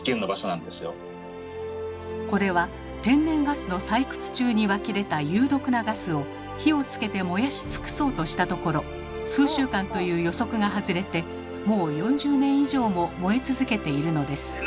これは天然ガスの採掘中に湧き出た有毒なガスを火をつけて燃やし尽くそうとしたところ数週間という予測が外れてもう４０年以上も燃え続けているのです。